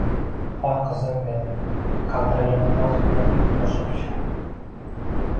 — Hoy, qizim, — dedi qaltiragan ovoz bilan shosha-pisha.